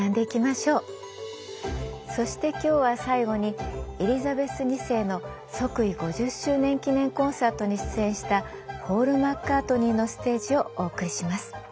そして今日は最後にエリザベス２世の即位５０周年記念コンサートに出演したポール・マッカートニーのステージをお送りします。